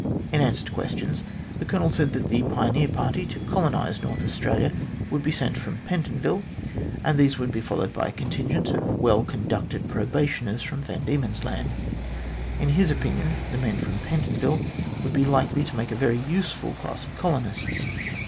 In answer to questions, the Colonel said that the pioneer party to colonise North Australia would be sent from Pentonville, and these would be followed by a contingent of well conducted probationers from Van Diemen's Land. In his opinion, the men from Pentonville would be likely to make a very useful class of colonists.